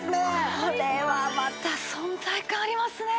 これはまた存在感ありますね！